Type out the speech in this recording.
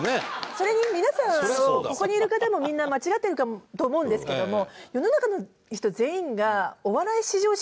それに皆さんここにいる方もみんな間違ってると思うんですけども。